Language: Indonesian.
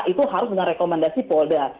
itu harus dengan rekomendasi polda